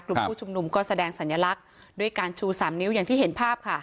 กลุ่มผู้ชุมนุมก็แสดงสัญลักษณ์ด้วยการชู๓นิ้วอย่างที่เห็นภาพค่ะ